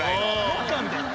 ロッカーみたいな。